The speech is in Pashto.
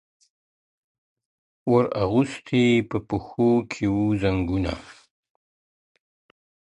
• ور اغوستي یې په پښو کي وه زنګونه -